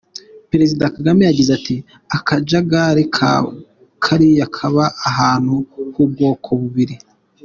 Perezida Kagame yagize ati: "Akajagari nka kariya kaba ahantu h'ubwoko bubiri.